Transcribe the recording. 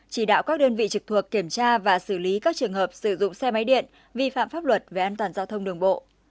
chỉ đạo các đơn vị trực thuộc kiểm tra và xử lý các trường hợp sử dụng xe máy điện vi phạm pháp luật về an toàn giao thông đường bộ